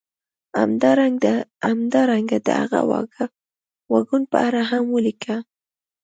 همدارنګه د هغه واګون په اړه هم ولیکه